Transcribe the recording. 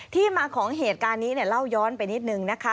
ที่มาของเหตุการณ์นี้เนี่ยเล่าย้อนไปนิดนึงนะคะ